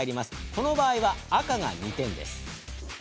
この場合は赤が２点です。